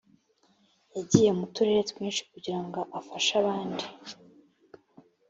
yagiye mu turere twinshi kugira ngo afashe abandi